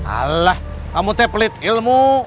alah kamu teplit ilmu